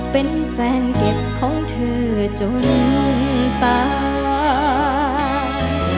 เป็นแฟนเก็บของเธอจนตาย